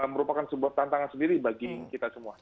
merupakan sebuah tantangan sendiri bagi kita semua